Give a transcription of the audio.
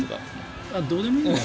どうでもいいんだよ。